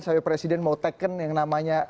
saya presiden mau tekan yang namanya